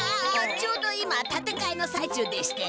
ちょうど今たてかえのさいちゅうでしてな。